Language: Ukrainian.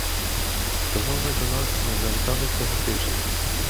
Чого ви до нас не завітали цього тижня?